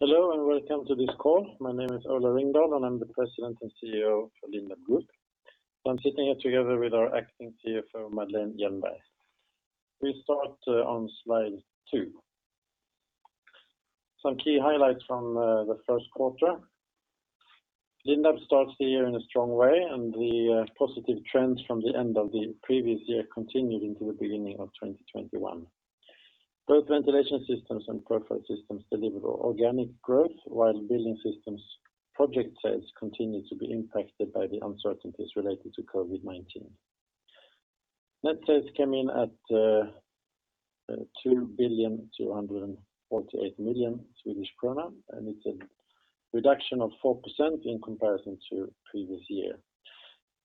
Hello, and Welcome to this call. My name is Ola Ringdahl, and I'm the President and CEO for Lindab Group. I'm sitting here together with our Acting CFO, Madeleine Hjelmberg. We start on slide two. Some key highlights from the first quarter. Lindab starts the year in a strong way, and the positive trends from the end of the previous year continued into the beginning of 2021. Both Ventilation Systems and Profile Systems delivered organic growth, while Building Systems project sales continued to be impacted by the uncertainties related to COVID-19. Net sales came in at SEK 2,248,000,000, and it's a reduction of 4% in comparison to previous year.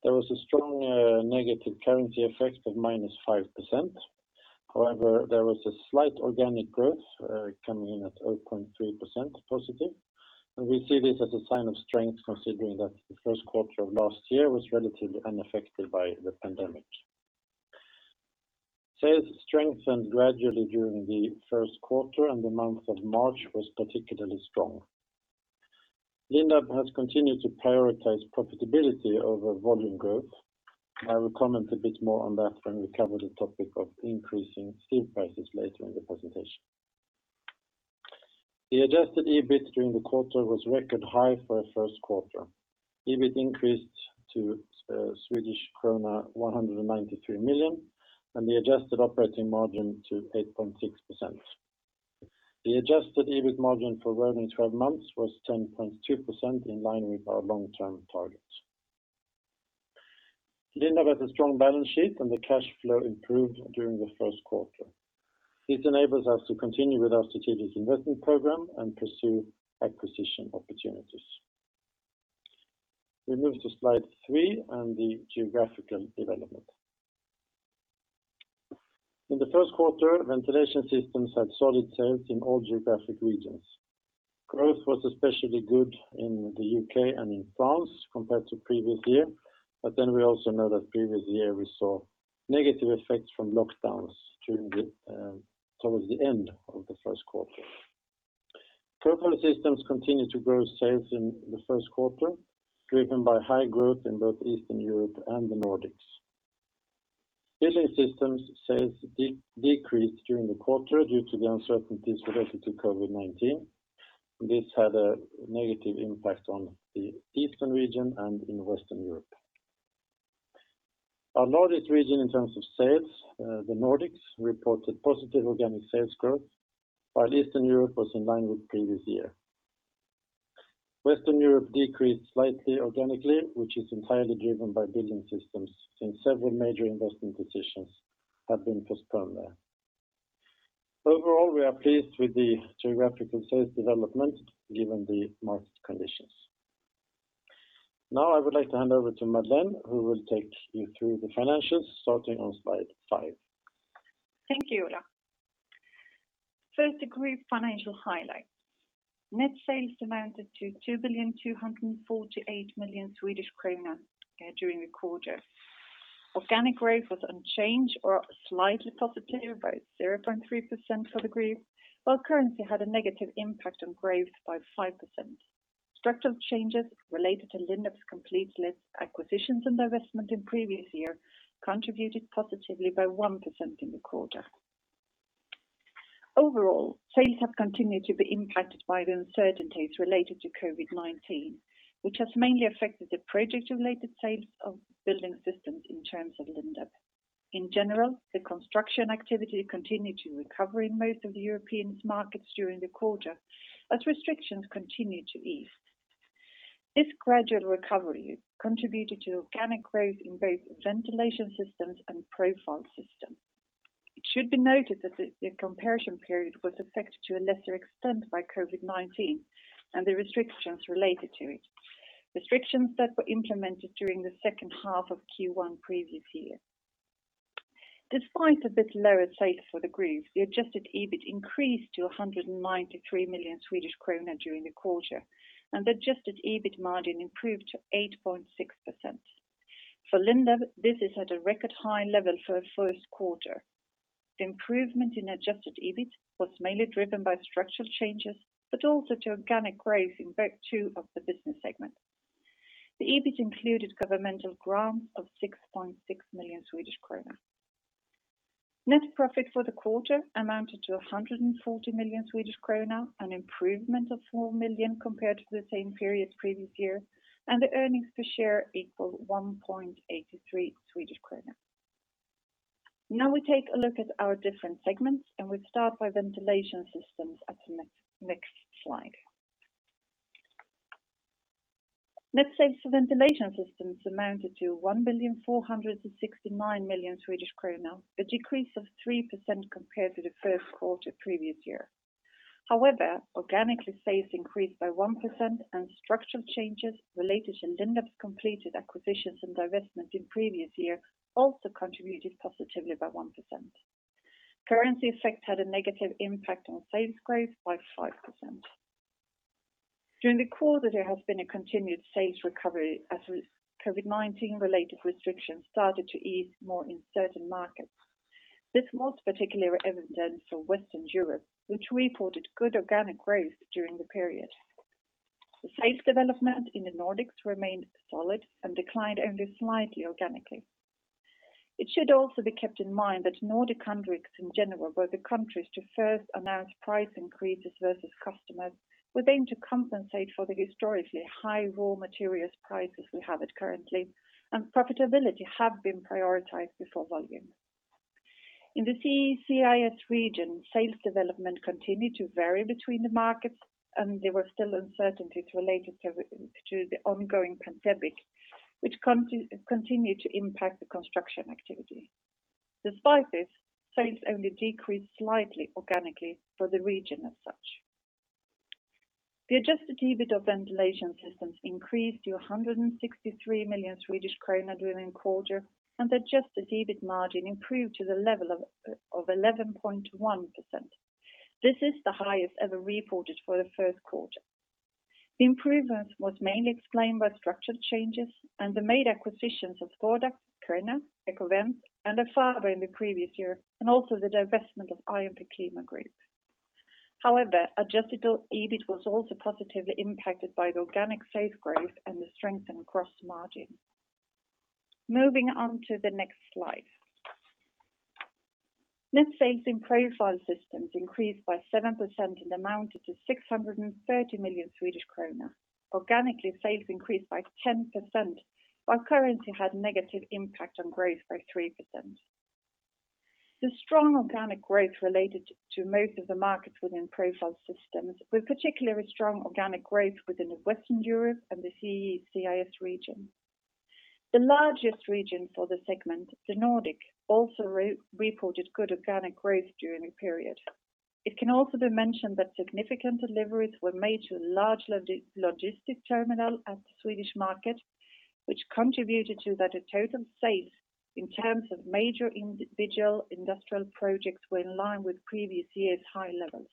There was a strong negative currency effect of -5%. However, there was a slight organic growth coming in at 0.3% positive, and we see this as a sign of strength considering that the first quarter of last year was relatively unaffected by the pandemic. Sales strengthened gradually during the first quarter, and the month of March was particularly strong. Lindab has continued to prioritize profitability over volume growth. I will comment a bit more on that when we cover the topic of increasing steel prices later in the presentation. The adjusted EBIT during the quarter was record high for a first quarter. EBIT increased to Swedish krona 193 million, and the adjusted operating margin to 8.6%. The adjusted EBIT margin for rolling 12 months was 10.2%, in line with our long-term target. Lindab has a strong balance sheet, and the cash flow improved during the first quarter. This enables us to continue with our strategic investment program and pursue acquisition opportunities. We move to slide three and the geographical development. In the first quarter, Ventilation Systems had solid sales in all geographic regions. Growth was especially good in the U.K. and in France compared to previous year, we also know that previous year we saw negative effects from lockdowns towards the end of the first quarter. Profile Systems continued to grow sales in the first quarter, driven by high growth in both Eastern Europe and the Nordics. Building Systems sales decreased during the quarter due to the uncertainties related to COVID-19. This had a negative impact on the Eastern Region and in Western Europe. Our largest region in terms of sales, the Nordics, reported positive organic sales growth, while Eastern Europe was in line with previous year. Western Europe decreased slightly organically, which is entirely driven by Building Systems, since several major investment decisions have been postponed there. Overall, we are pleased with the geographical sales development given the market conditions. Now, I would like to hand over to Madeleine, who will take you through the financials, starting on slide five. Thank you, Ola. First, the group financial highlights. Net sales amounted to 2,248,000,000 Swedish kronor during the quarter. Organic growth was unchanged or slightly positive, about 0.3% for the group, while currency had a negative impact on growth by 5%. Structural changes related to Lindab's complete acquisitions and divestment in previous year contributed positively by 1% in the quarter. Overall, sales have continued to be impacted by the uncertainties related to COVID-19, which has mainly affected the project-related sales of Building Systems in terms of Lindab. In general, the construction activity continued to recover in most of the European markets during the quarter as restrictions continued to ease. This gradual recovery contributed to organic growth in both Ventilation Systems and Profile Systems. It should be noted that the comparison period was affected to a lesser extent by COVID-19 and the restrictions related to it, restrictions that were implemented during the second half of Q1 previous year. Despite a bit lower sales for the group, the adjusted EBIT increased to 193 million Swedish kronor during the quarter, and the adjusted EBIT margin improved to 8.6%. For Lindab, this is at a record high level for a first quarter. The improvement in adjusted EBIT was mainly driven by structural changes, but also to organic growth in both two of the business segments. The EBIT included governmental grants of 6.6 million Swedish kronor. Net profit for the quarter amounted to 140 million Swedish kronor, an improvement of 4 million compared to the same period previous year, and the earnings per share equal 1.83 Swedish kronor. Now we take a look at our different segments, and we start by Ventilation Systems at the next slide. Net sales for Ventilation Systems amounted to 1,469,000,000 Swedish kronor, a decrease of 3% compared to the first quarter previous year. However, organically, sales increased by 1%, and structural changes related in Lindab's completed acquisitions and divestments in previous year also contributed positively by 1%. Currency effect had a negative impact on sales growth by 5%. During the quarter, there has been a continued sales recovery as COVID-19 related restrictions started to ease more in certain markets. This was particularly evident for Western Europe, which reported good organic growth during the period. The sales development in the Nordics remained solid and declined only slightly organically. It should also be kept in mind that Nordic countries, in general, were the countries to first announce price increases versus customers with aim to compensate for the historically high raw materials prices we have currently, and profitability have been prioritized before volume. In the CEE/CIS region, sales development continued to vary between the markets, and there were still uncertainties related to the ongoing pandemic, which continued to impact the construction activity. Despite this, sales only decreased slightly organically for the region as such. The adjusted EBIT of Ventilation Systems increased to 163 million Swedish kronor during the quarter, and the adjusted EBIT margin improved to the level of 11.1%. This is the highest ever reported for the first quarter. The improvements was mainly explained by structural changes and the main acquisitions of Gordax, Körner, Ekovent, and of Faber in the previous year, and also the divestment of IMP Klima Group. However, adjusted EBIT was also positively impacted by the organic sales growth and the strength in gross margin. Moving on to the next slide. Net sales in Profile Systems increased by 7% and amounted to 630 million Swedish kronor. Organically, sales increased by 10%, while currency had negative impact on growth by 3%. The strong organic growth related to most of the markets within Profile Systems, with particularly strong organic growth within the Western Europe and the CEE/CIS region. The largest region for the segment, the Nordic, also reported good organic growth during the period. It can also be mentioned that significant deliveries were made to a large logistic terminal at the Swedish market, which contributed to the total sales in terms of major individual industrial projects were in line with previous year's high levels.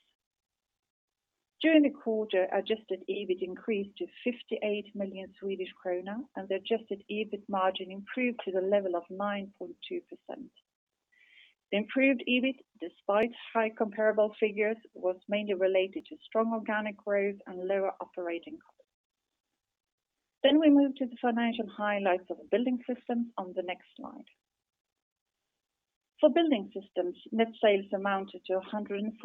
During the quarter, adjusted EBIT increased to 58 million Swedish kronor, and the adjusted EBIT margin improved to the level of 9.2%. The improved EBIT, despite high comparable figures, was mainly related to strong organic growth and lower operating costs. We move to the financial highlights of the Building Systems on the next slide. For Building Systems, net sales amounted to 149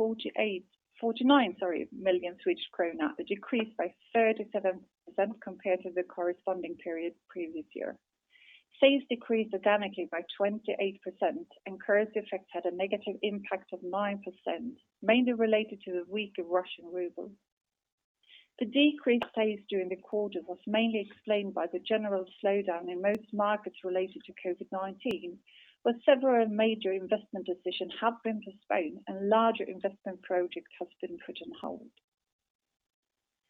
million Swedish krona, a decrease by 37% compared to the corresponding period previous year. Sales decreased organically by 28%, and currency effects had a negative impact of 9%, mainly related to the weaker Russian ruble. The decreased sales during the quarter was mainly explained by the general slowdown in most markets related to COVID-19, where several major investment decisions have been postponed, and larger investment projects have been put on hold.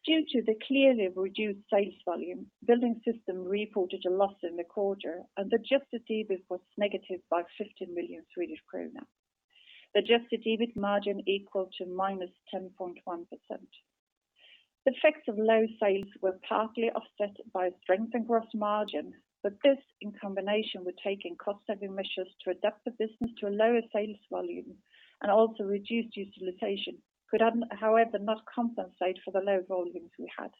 Due to the clearly reduced sales volume, Building Systems reported a loss in the quarter, and adjusted EBIT was negative by 15 million Swedish kronor. The adjusted EBIT margin equaled to -10.1%. Effects of low sales were partly offset by a strength in gross margin, but this in combination with taking cost saving measures to adapt the business to a lower sales volume and also reduced utilization could, however, not compensate for the low volumes we had.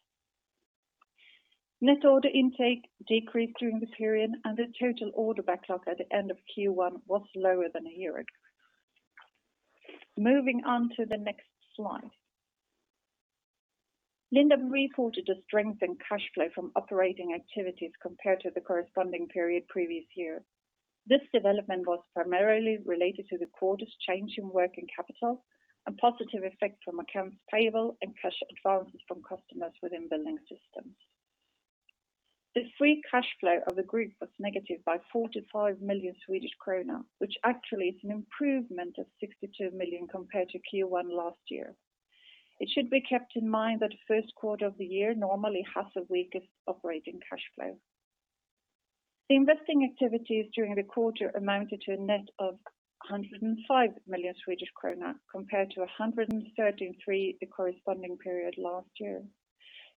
Net order intake decreased during the period, and the total order backlog at the end of Q1 was lower than a year ago. Moving on to the next slide. Lindab reported a strength in cash flow from operating activities compared to the corresponding period previous year. This development was primarily related to the quarter's change in working capital and positive effect from accounts payable and cash advances from customers within Building Systems. The free cash flow of the group was negative by 45 million Swedish krona, which actually is an improvement of 62 million compared to Q1 last year. It should be kept in mind that the first quarter of the year normally has the weakest operating cash flow. The investing activities during the quarter amounted to a net of 105 million Swedish krona compared to 133 the corresponding period last year.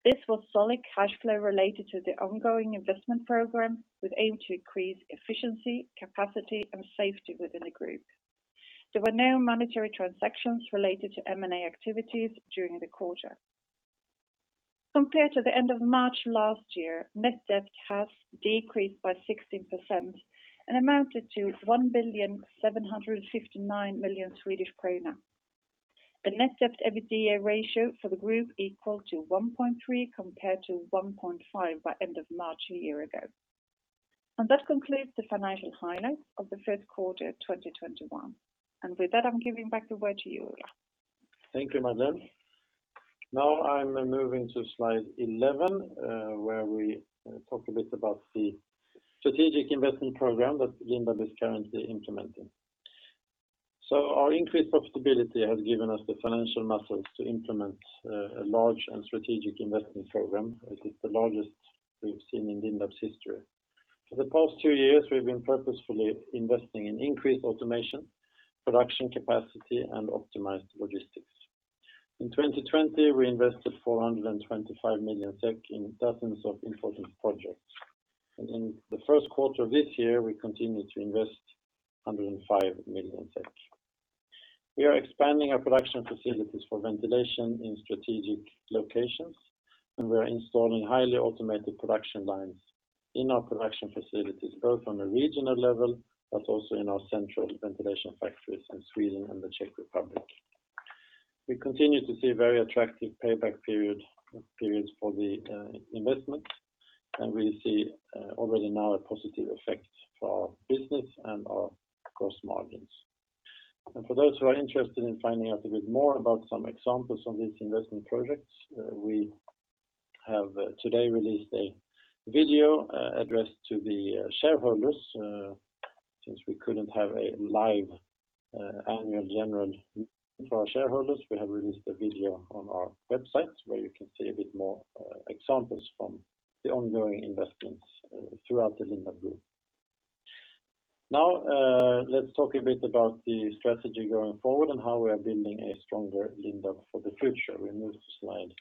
This was solid cash flow related to the ongoing investment program with aim to increase efficiency, capacity and safety within the group. There were no monetary transactions related to M&A activities during the quarter. Compared to the end of March last year, net debt has decreased by 16% and amounted to 1,759,000,000. The net debt/EBITDA ratio for the group equaled to 1.3 compared to 1.5 by end of March a year ago. That concludes the financial highlights of the first quarter 2021. With that, I'm giving back the word to you, Ola. Thank you, Madeleine. I'm moving to slide 11, where we talk a bit about the strategic investment program that Lindab is currently implementing. Our increased profitability has given us the financial muscles to implement a large and strategic investment program. It is the largest we've seen in Lindab's history. For the past two years, we've been purposefully investing in increased automation, production capacity, and optimized logistics. In 2020, we invested 425 million SEK in dozens of important projects. In the first quarter of this year, we continued to invest 105 million. We are expanding our production facilities for ventilation in strategic locations, and we're installing highly automated production lines in our production facilities, both on a regional level, but also in our central ventilation factories in Sweden and the Czech Republic. We continue to see very attractive payback periods for the investment, we see already now a positive effect for our business and our gross margins. For those who are interested in finding out a bit more about some examples on these investment projects, we have today released a video addressed to the shareholders, since we couldn't have a live annual general meeting for our shareholders. We have released a video on our website where you can see a bit more examples from the ongoing investments throughout the Lindab Group. Let's talk a bit about the strategy going forward and how we are building a stronger Lindab for the future. We move to slide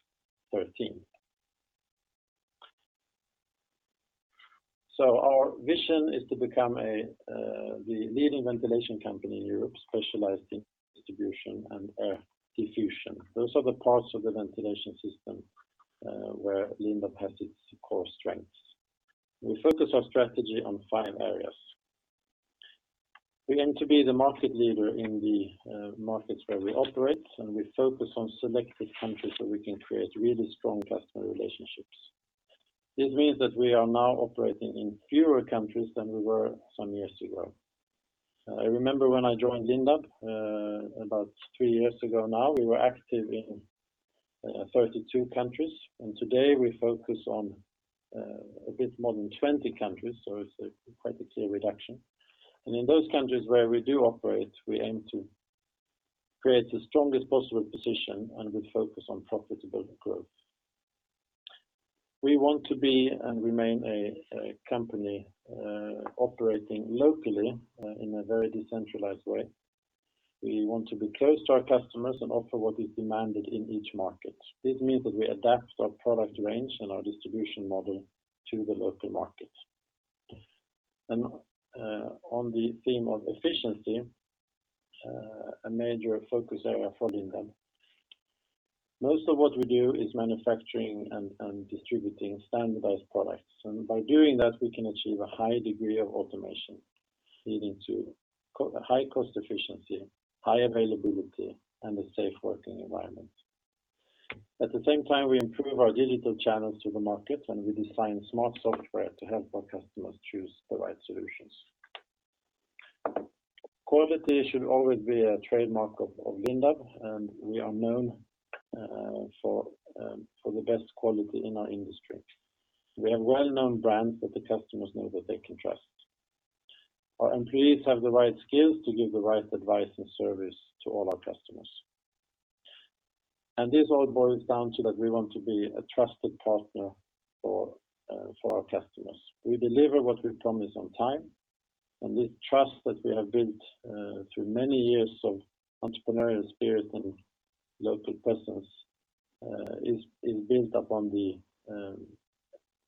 13. Our vision is to become the leading ventilation company in Europe, specialized in distribution and air diffusion. Those are the parts of the ventilation system where Lindab has its core strengths. We focus our strategy on five areas. We aim to be the market leader in the markets where we operate, and we focus on selected countries so we can create really strong customer relationships. This means that we are now operating in fewer countries than we were some years ago. I remember when I joined Lindab, about three years ago now, we were active in 32 countries, and today we focus on a bit more than 20 countries, so it's quite a clear reduction. In those countries where we do operate, we aim to create the strongest possible position, and we focus on profitable growth. We want to be and remain a company operating locally in a very decentralized way. We want to be close to our customers and offer what is demanded in each market. This means that we adapt our product range and our distribution model to the local market. On the theme of efficiency, a major focus area for Lindab, most of what we do is manufacturing and distributing standardized products. By doing that, we can achieve a high degree of automation, leading to high cost efficiency, high availability, and a safe working environment. At the same time, we improve our digital channels to the market, and we design smart software to help our customers choose the right solutions. Quality should always be a trademark of Lindab, and we are known for the best quality in our industry. We have well-known brands that the customers know that they can trust. Our employees have the right skills to give the right advice and service to all our customers. This all boils down to that we want to be a trusted partner for our customers. We deliver what we promise on time, and the trust that we have built through many years of entrepreneurial spirit and local presence is built upon the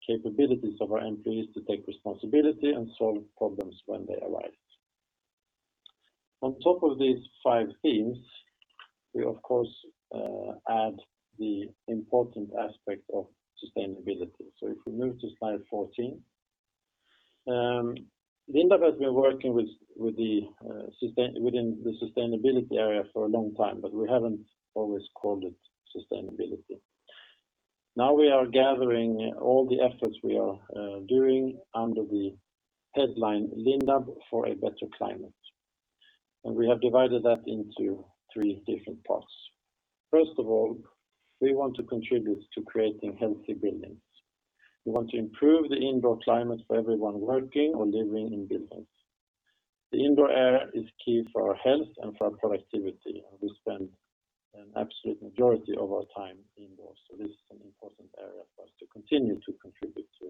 capabilities of our employees to take responsibility and solve problems when they arise. On top of these five themes, we of course add the important aspect of sustainability. If we move to slide 14. Lindab has been working within the sustainability area for a long time, but we haven't always called it sustainability. Now we are gathering all the efforts we are doing under the headline, Lindab for a Better Climate, and we have divided that into three different parts. First of all, we want to contribute to creating healthy buildings. We want to improve the indoor climate for everyone working or living in buildings. The indoor air is key for our health and for our productivity, and we spend an absolute majority of our time indoors. This is an important area for us to continue to contribute to.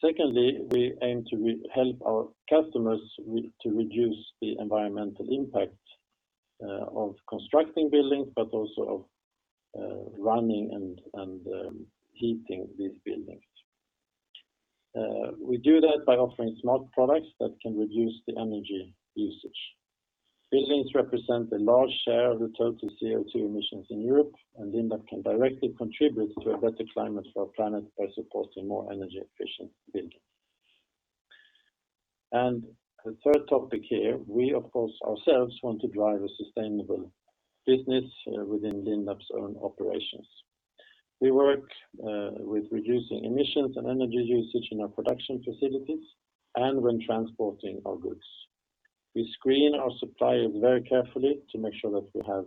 Secondly, we aim to help our customers to reduce the environmental impact of constructing buildings, but also of running and heating these buildings. We do that by offering smart products that can reduce the energy usage. Buildings represent a large share of the total CO2 emissions in Europe, and Lindab can directly contribute to a better climate for our planet by supporting more energy-efficient buildings. The third topic here, we of course, ourselves, want to drive a sustainable business within Lindab's own operations. We work with reducing emissions and energy usage in our production facilities and when transporting our goods. We screen our suppliers very carefully to make sure that we have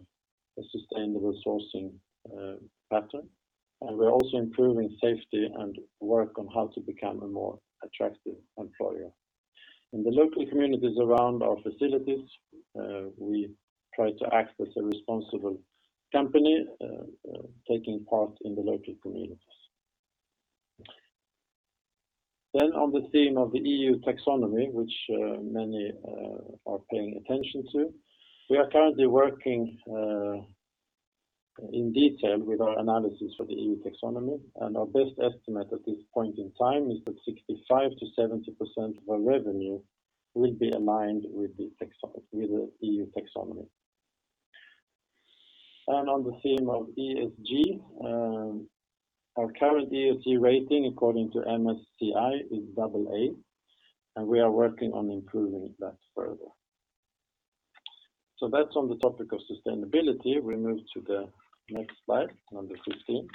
a sustainable sourcing pattern, and we're also improving safety and work on how to become a more attractive employer. In the local communities around our facilities, we try to act as a responsible company, taking part in the local communities. On the theme of the EU taxonomy, which many are paying attention to, we are currently working in detail with our analysis for the EU taxonomy, and our best estimate at this point in time is that 65%-70% of our revenue will be aligned with the EU taxonomy. On the theme of ESG, our current ESG rating according to MSCI is double A, and we are working on improving that further. That's on the topic of sustainability. We move to the next slide, number 15.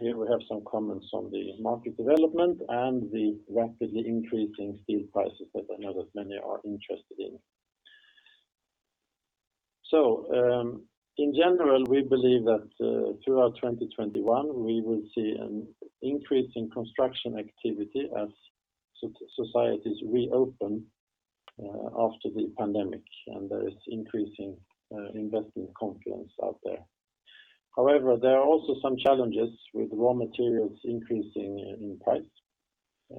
Here we have some comments on the market development and the rapidly increasing steel prices that I know that many are interested in. In general, we believe that throughout 2021, we will see an increase in construction activity as societies reopen after the pandemic, and there is increasing investing confidence out there. However, there are also some challenges with raw materials increasing in price.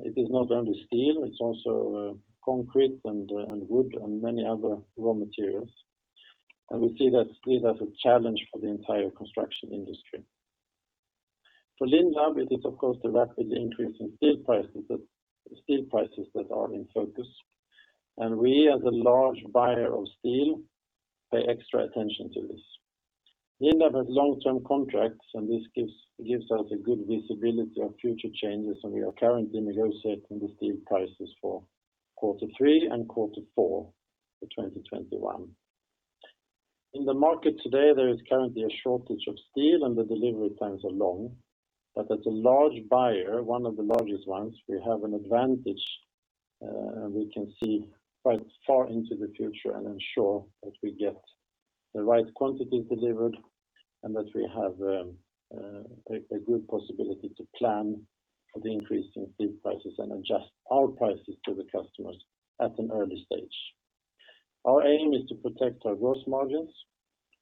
It is not only steel, it's also concrete and wood and many other raw materials. We see that as a challenge for the entire construction industry. For Lindab, it is of course, the rapidly increase in steel prices that are in focus, and we, as a large buyer of steel, pay extra attention to this. Lindab has long-term contracts. This gives us a good visibility of future changes. We are currently negotiating the steel prices for quarter three and quarter four for 2021. In the market today, there is currently a shortage of steel and the delivery times are long. As a large buyer, one of the largest ones, we have an advantage, and we can see quite far into the future and ensure that we get the right quantities delivered and that we have a good possibility to plan for the increase in steel prices and adjust our prices to the customers at an early stage. Our aim is to protect our gross margins.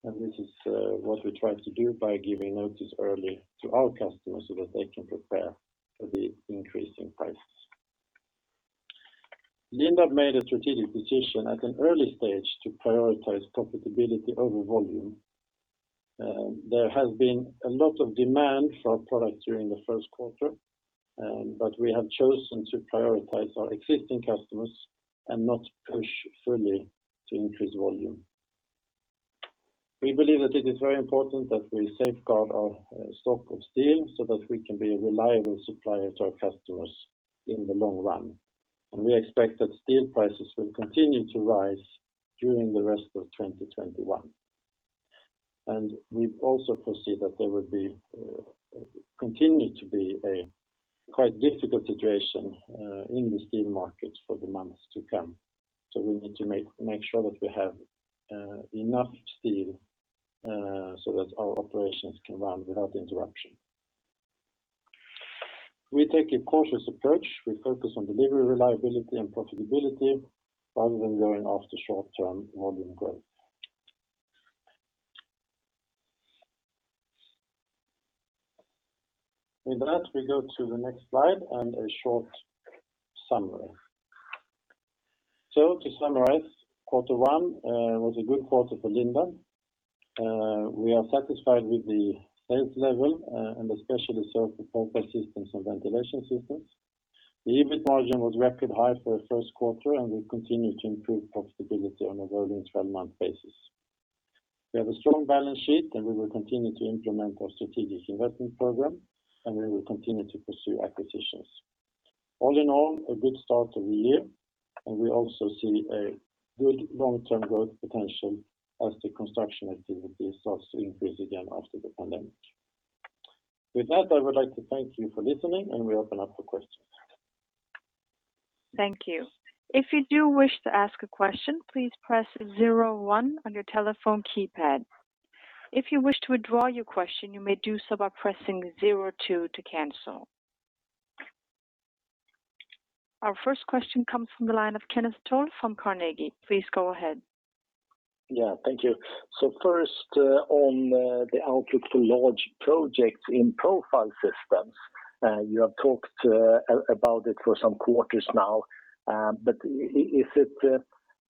This is what we try to do by giving notice early to our customers so that they can prepare for the increase in prices. Lindab made a strategic decision at an early stage to prioritize profitability over volume. There has been a lot of demand for our product during the first quarter, but we have chosen to prioritize our existing customers and not push fully to increase volume. We believe that it is very important that we safeguard our stock of steel so that we can be a reliable supplier to our customers in the long run. We expect that steel prices will continue to rise during the rest of 2021. We also foresee that there will continue to be a quite difficult situation in the steel markets for the months to come. We need to make sure that we have enough steel, so that our operations can run without interruption. We take a cautious approach. We focus on delivery reliability and profitability rather than going after short-term volume growth. With that, we go to the next slide and a short summary. To summarize, quarter one was a good quarter for Lindab. We are satisfied with the sales level, and especially so for Profile Systems and Ventilation Systems. The EBIT margin was record high for a first quarter, and we continue to improve profitability on a rolling 12-month basis. We have a strong balance sheet, and we will continue to implement our strategic investment program, and we will continue to pursue acquisitions. All in all, a good start to the year, and we also see a good long-term growth potential as the construction activity starts to increase again after the pandemic. With that, I would like to thank you for listening, and we open up for questions. Thank you. If you do wish to ask a question, please press zero one on your telephone keypad. If you wish to withdraw your question, you may do so by pressing zero two to cancel. Our first question comes from the line of Kenneth Toll Johansson from Carnegie. Please go ahead. Yeah. Thank you. First, on the outlook to large projects in Profile Systems, you have talked about it for some quarters now, is it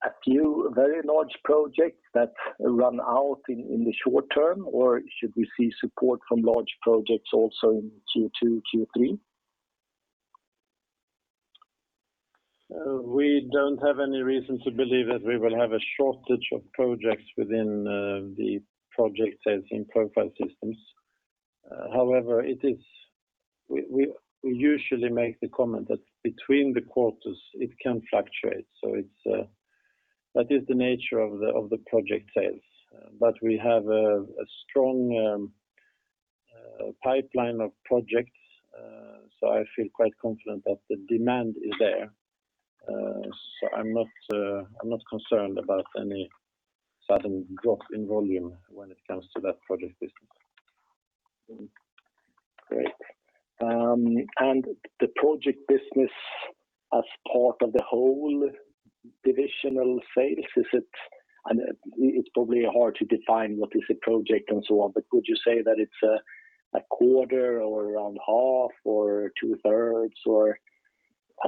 a few very large projects that run out in the short term, or should we see support from large projects also in Q2, Q3? We don't have any reason to believe that we will have a shortage of projects within the project sales in Profile Systems. However, we usually make the comment that between the quarters, it can fluctuate. That is the nature of the project sales. We have a strong pipeline of projects, I feel quite confident that the demand is there. I'm not concerned about any sudden drop in volume when it comes to that project business. Great. The project business as part of the whole divisional sales, it's probably hard to define what is a project and so on, but could you say that it's a quarter or around half or 2/3?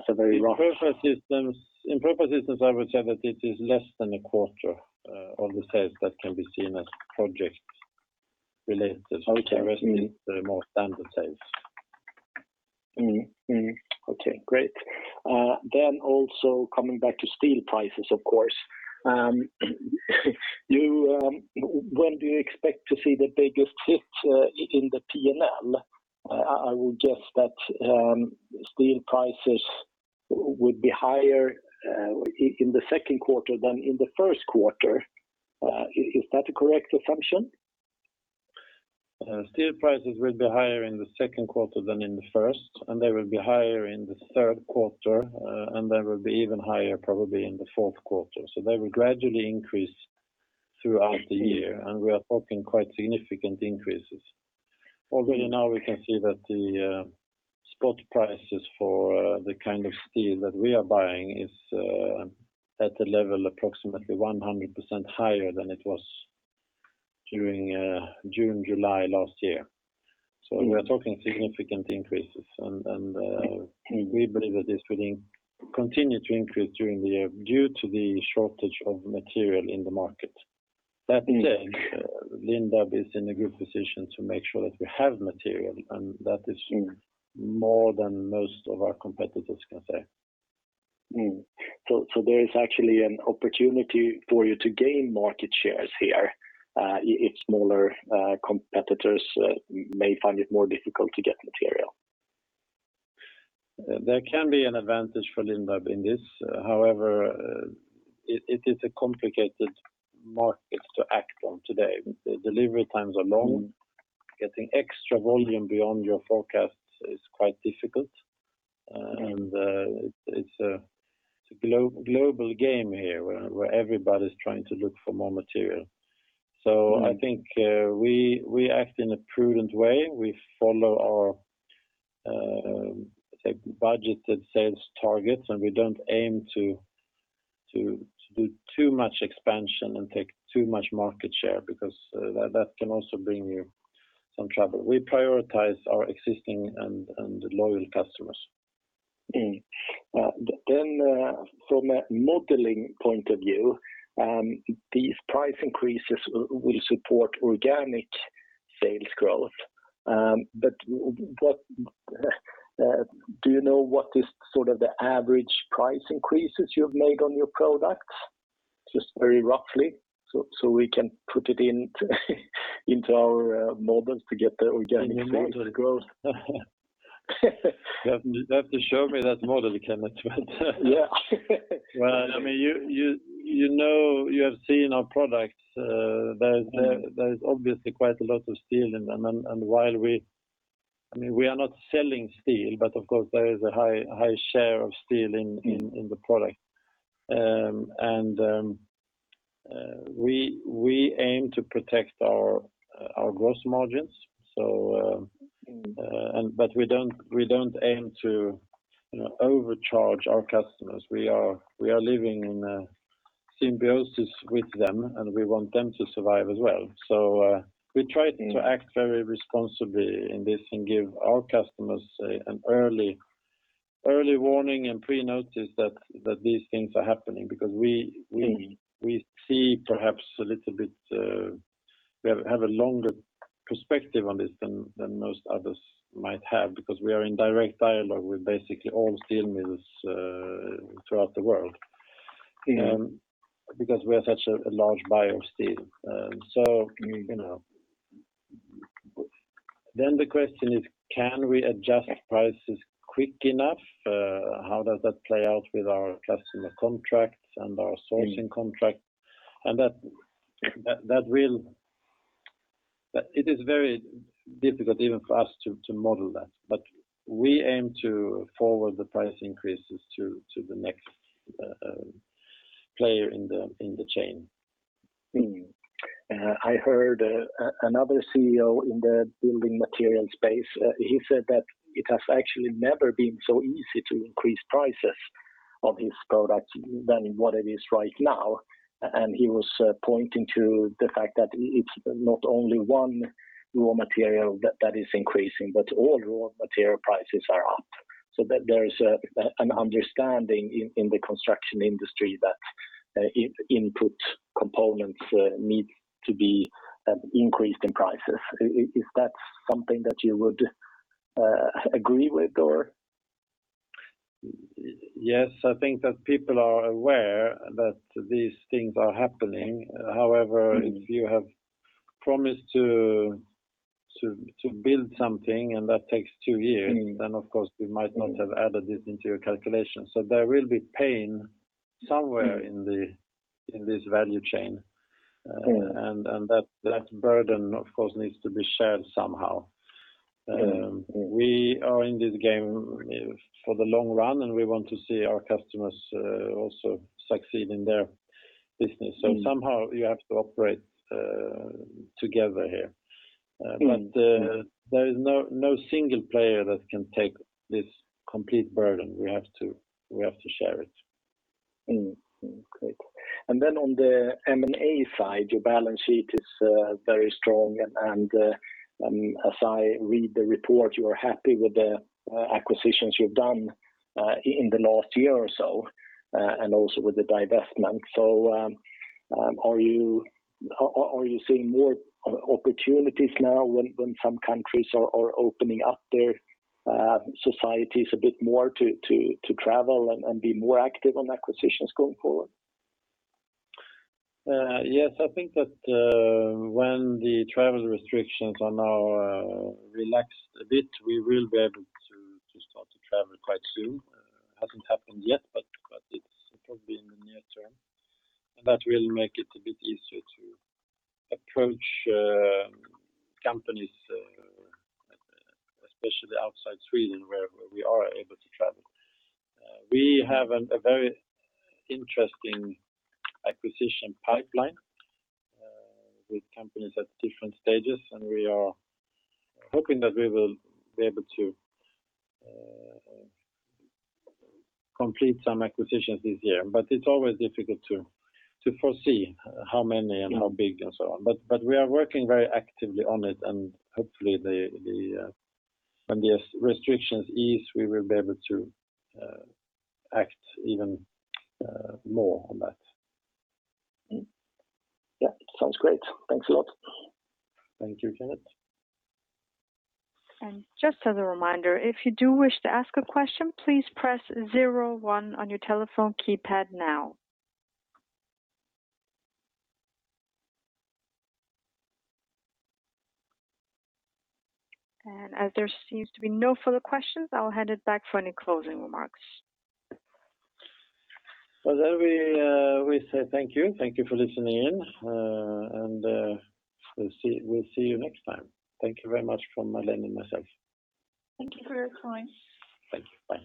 In proper systems, I would say that it is less than a quarter of the sales that can be seen as project related. Okay As compared to the more standard sales. Okay, great. Also coming back to steel prices, of course, when do you expect to see the biggest hit in the P&L? I would guess that steel prices would be higher in the second quarter than in the first quarter. Is that a correct assumption? Steel prices will be higher in the second quarter than in the first, they will be higher in the third quarter, they will be even higher probably in the fourth quarter. They will gradually increase throughout the year, we are talking quite significant increases. Already now we can see that the spot prices for the kind of steel that we are buying is at a level approximately 100% higher than it was during June, July last year. We are talking significant increases, we believe that this will continue to increase during the year due to the shortage of material in the market. That said, Lindab is in a good position to make sure that we have material, that is more than most of our competitors can say. There is actually an opportunity for you to gain market shares here, if smaller competitors may find it more difficult to get material. There can be an advantage for Lindab in this. However, it is a complicated market to act on today. The delivery times are long. Getting extra volume beyond your forecasts is quite difficult, and it's a global game here where everybody's trying to look for more material. I think we act in a prudent way. We follow our budgeted sales targets, and we don't aim to do too much expansion and take too much market share because that can also bring you some trouble. We prioritize our existing and loyal customers. From a modeling point of view, these price increases will support organic sales growth. Do you know what is sort of the average price increases you've made on your products? Just very roughly, so we can put it into our models to get the organic sales growth. In your model. You'll have to show me that model, Kenneth. Yeah. Well, you have seen our products. There is obviously quite a lot of steel in them. We are not selling steel, but of course, there is a high share of steel in the product. We aim to protect our gross margins. We don't aim to overcharge our customers. We are living in a symbiosis with them, and we want them to survive as well. We try to act very responsibly in this and give our customers an early warning and pre-notice that these things are happening because we have a longer perspective on this than most others might have because we are in direct dialogue with basically all steel mills throughout the world because we are such a large buyer of steel. The question is can we adjust prices quick enough? How does that play out with our customer contracts and our sourcing contracts? It is very difficult even for us to model that. We aim to forward the price increases to the next player in the chain. I heard another CEO in the building material space, he said that it has actually never been so easy to increase prices of his product than what it is right now, and he was pointing to the fact that it's not only one raw material that is increasing, but all raw material prices are up. There is an understanding in the construction industry that input components need to be increased in prices. Is that something that you would agree with or? Yes, I think that people are aware that these things are happening. If you have promised to build something and that takes two years, then of course, you might not have added it into your calculation. There will be pain somewhere in this value chain. That burden, of course, needs to be shared somehow. We are in this game for the long run, and we want to see our customers also succeed in their business. Somehow you have to operate together here. There is no single player that can take this complete burden. We have to share it. Then on the M&A side, your balance sheet is very strong and as I read the report, you are happy with the acquisitions you've done in the last year or so, and also with the divestment. Are you seeing more opportunities now when some countries are opening up their societies a bit more to travel and be more active on acquisitions going forward? Yes, I think that when the travel restrictions are now relaxed a bit, we will be able to start to travel quite soon. It hasn't happened yet, but it's probably in the near term. That will make it a bit easier to approach companies, especially outside Sweden, where we are able to travel. We have a very interesting acquisition pipeline with companies at different stages, and we are hoping that we will be able to complete some acquisitions this year. It's always difficult to foresee how many and how big and so on. We are working very actively on it and hopefully when the restrictions ease, we will be able to act even more on that. Yeah. Sounds great. Thanks a lot. Thank you, Kenneth. Just a reminder if you do wish to ask a question please press zero one on your telephone keypad now. As there seems to be no further questions, I will hand it back for any closing remarks. Well, we say thank you. Thank you for listening in. We'll see you next time. Thank you very much from Madeleine and myself. Thank you for your time. Thank you. Bye.